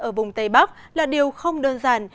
ở vùng tây bắc là điều không đơn giản